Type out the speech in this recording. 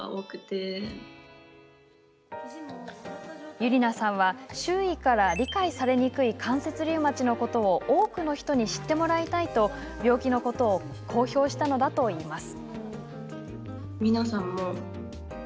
Ｙｕｒｉｎａさんは周囲から理解されにくい関節リウマチのことを多くの人に知ってもらいたいと病気のことを公表したのだといいます。